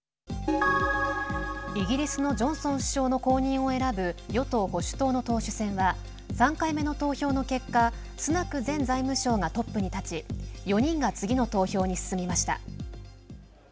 イギリスのジョンソン首相の後任を選ぶ与党・保守党の党首選は３回目の投票の結果スナク前財務相がトップに立ち４人が次の投票に進みました。